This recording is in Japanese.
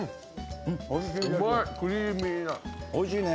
おいしい。